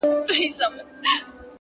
ستا څخه ډېر تـنگ،